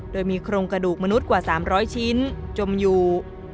โดยมีโครงกระดูกมนุษย์กว่า๓๐๐ชิ้นจมอยู่